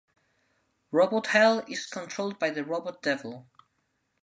Robot Hell is controlled by the Robot Devil.